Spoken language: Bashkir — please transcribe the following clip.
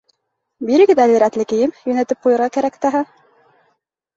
Бирегеҙ әле рәтле кейем, йүнәтеп ҡуйырға кәрәк таһа!